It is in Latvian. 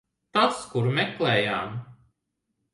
Tas, kuru meklējām.